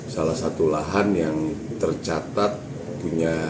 salah satu lahan yang tercatat punya